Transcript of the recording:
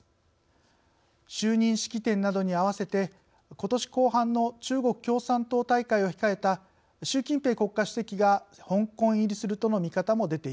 就任式典などに合わせてことし後半の中国共産党大会を控えた習近平国家主席が香港入りするとの見方も出ています。